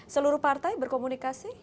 seluruh partai berkomunikasi